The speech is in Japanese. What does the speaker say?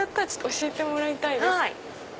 教えてもらいたいです。